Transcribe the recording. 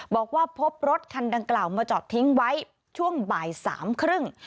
บอกว่าพบรถคันดังกล่าวมาจอดทิ้งไว้ช่วงบ่ายสามครึ่ง